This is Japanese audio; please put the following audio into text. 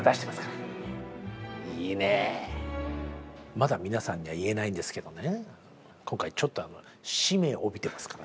まだ皆さんには言えないんですけどね